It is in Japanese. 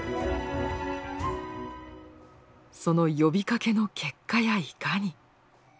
その呼びかけの結果やいかに？